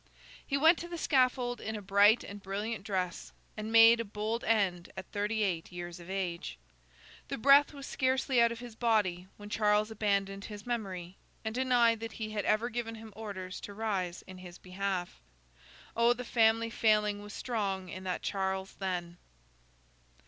He went to the scaffold in a bright and brilliant dress, and made a bold end at thirty eight years of age. The breath was scarcely out of his body when Charles abandoned his memory, and denied that he had ever given him orders to rise in his behalf. O the family failing was strong in that Charles then!